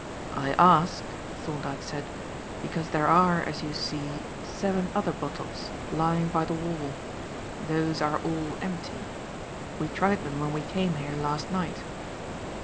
"I ask," Thorndyke said, "because there are, as you see, seven other bottles, lying by the wall. Those are all empty. We tried them when we came here last night."